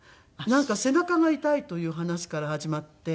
なんか背中が痛いという話から始まって。